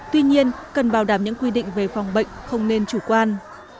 tuy nhiên cần bảo đảm những quy định về phòng bệnh không nên chủ quan